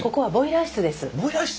ボイラー室？